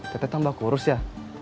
tetep tambah kurus ya